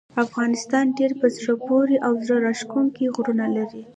افغانستان ډیر په زړه پورې او زړه راښکونکي غرونه لري.